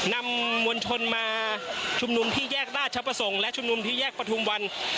นำมวลชนมาชุมนุมที่แยกราชประสงค์และชุมนุมที่แยกประทุมวัน